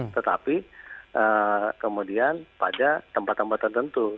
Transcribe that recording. tetapi kemudian pada tempat tempat tertentu